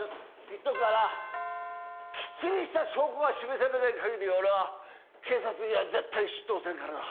言っとくがなきっちりした証拠が示されない限り俺は警察には絶対出頭せんからな。